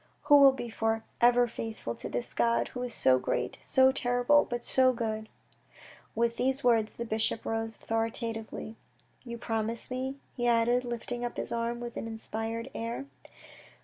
You will be for ever faithful to this God who is so great, so terrible, but so good ?" With these words the bishop rose authoritatively. " You promise me ?" he said, lifting up his arm with an inspired air.